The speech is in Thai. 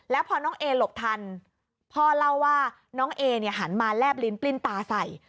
แล้วพอน้องเอหลบทันพ่อเล่าว่าน้องเอเนี่ยหันมาแลบลิ้นปลิ้นตาใส่